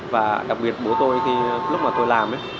và đặc biệt bố tôi khi lúc mà tôi làm ấy